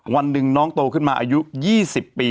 วันหนึ่งน้องโตขึ้นมาอายุ๒๐ปี